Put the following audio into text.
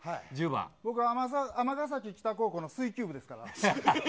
僕、尼崎北高校の水球部ですから。